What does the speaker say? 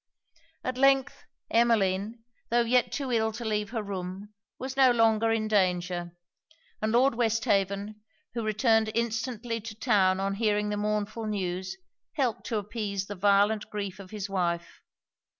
At length Emmeline, tho' yet too ill to leave her room, was no longer in danger; and Lord Westhaven, who returned instantly to town on hearing the mournful news helped to appease the violent grief of his wife.